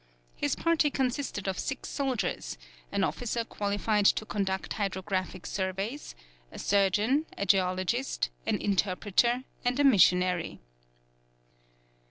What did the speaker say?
His party consisted of six soldiers, an officer qualified to conduct hydrographic surveys, a surgeon, a geologist, an interpreter, and a missionary.